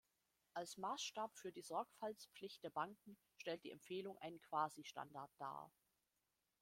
Als Maßstab für die Sorgfaltspflicht der Banken stellt die Empfehlung einen Quasistandard dar.